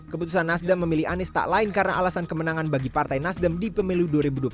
keputusan nasdem memilih anies tak lain karena alasan kemenangan bagi partai nasdem di pemilu dua ribu dua puluh empat